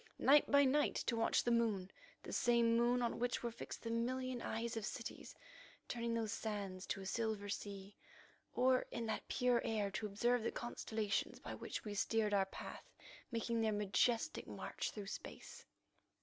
Night by night to watch the moon, the same moon on which were fixed the million eyes of cities, turning those sands to a silver sea, or, in that pure air, to observe the constellations by which we steered our path making their majestic march through space.